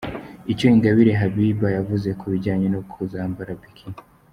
Icyo Ingabire Habiba yavuze ku bijyanye no kuzambara ’Bikini’